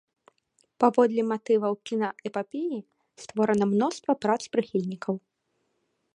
Паводле матываў кінаэпапеі створана мноства прац прыхільнікаў.